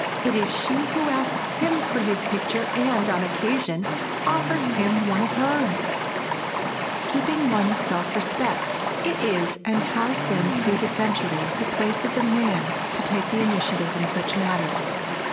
It is she who asks him for his picture and, on occasion, offers him one of hers. [Sidenote: KEEPING ONE'S SELF RESPECT] It is, and it has been through centuries, the place of the man to take the initiative in such matters.